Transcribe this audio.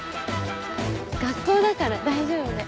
学校だから大丈夫だよ。